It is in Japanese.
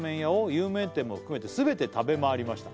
「有名店も含めてすべて食べまわりました」